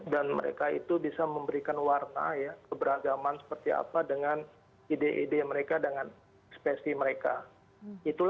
mereka itu bisa memberikan warna ya keberagaman seperti apa dengan ide ide mereka dengan ekspresi mereka